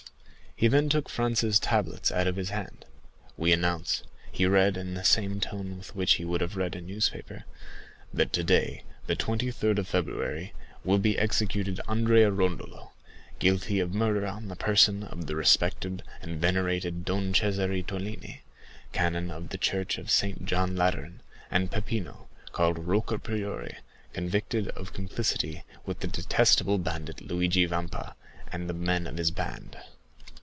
He then took Franz's tablets out of his hand. "'We announce,' he read, in the same tone with which he would have read a newspaper, 'that today, the 23rd of February, will be executed Andrea Rondolo, guilty of murder on the person of the respected and venerated Don César Torlini, canon of the church of St. John Lateran, and Peppino, called Rocca Priori, convicted of complicity with the detestable bandit Luigi Vampa, and the men of his band.